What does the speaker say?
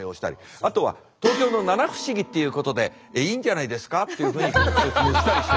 あとは「東京の七不思議っていうことでいいんじゃないですか？」っていうふうに説明したりして。